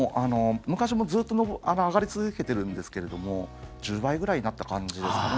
昔もずっと上がり続けてるんですけれども１０倍ぐらいになった感じですかね。